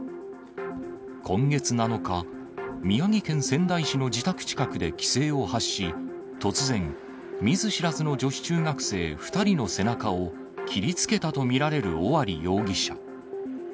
今月７日、宮城県仙台市の自宅近くで奇声を発し、突然、見ず知らずの女子中学生２人の背中を切りつけたと見られる尾張容疑者。